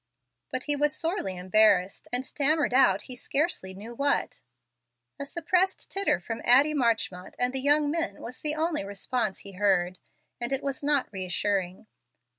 But he was sorely embarrassed, and stammered out he scarcely knew what. A suppressed titter from Addie Marchmont and the young men was the only response he heard, and it was not re assuring.